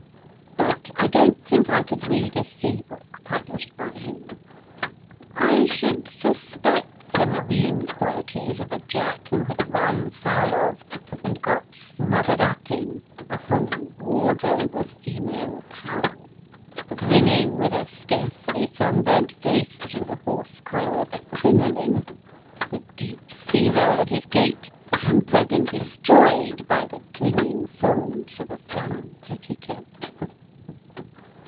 But I don t think I could read a sea book published by him. I should suspect the marine qualities of a Jack who had run foul of, and got smothered up in, a whole wardrobe of female MRS. CLARK RUSSELL MY FIRST BOOK apparel, grinning with a scarcely sunburnt face through the horse collar of a crinoline, the deep sea roll of his gait hampered and destroyed by the clinging folds of a flannel petticoat.